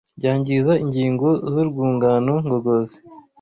byangiza ingingo z’urwungano ngogozi.